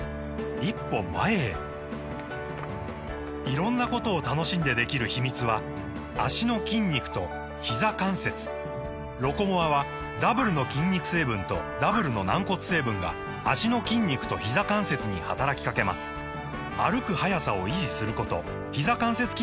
色んなことを楽しんでできる秘密は脚の筋肉とひざ関節「ロコモア」はダブルの筋肉成分とダブルの軟骨成分が脚の筋肉とひざ関節に働きかけます歩く速さを維持することひざ関節機能を維持することが報告されています